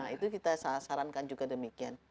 itu kita sarankan juga demikian